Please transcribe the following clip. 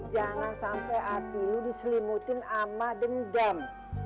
jangan sampe hati lo diselimutin ama dendam